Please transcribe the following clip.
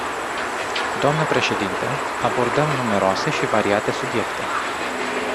Dnă președintă, abordăm numeroase și variate subiecte.